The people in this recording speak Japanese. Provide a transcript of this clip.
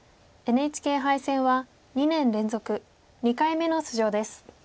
ＮＨＫ杯戦は２年連続２回目の出場です。